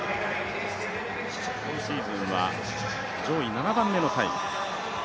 今シーズンは上位７番目のタイム。